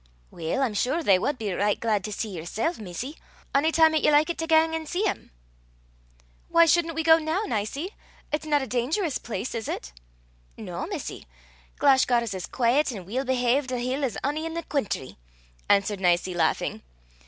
"Weel, I'm sure they wad be richt glaid to see yersel', missie, ony time 'at ye likit to gang an' see them." "Why shouldn't we go now, Nicie? It's not a dangerous place, is it?" "No, missie. Glashgar's as quaiet an' weel behaved a hill as ony in a' the cweentry," answered Nicie, laughing.